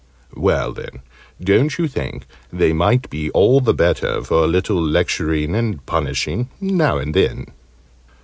Well then, don't you think they might be all the better for a little lecturing and punishing now and then?